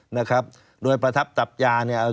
นะครับโดยประทับตับยาเนี่ย